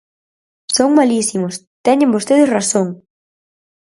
Son malísimos, teñen vostedes razón.